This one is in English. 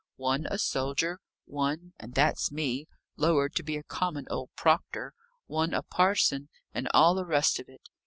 One a soldier; one (and that's me) lowered to be a common old proctor; one a parson; and all the rest of it!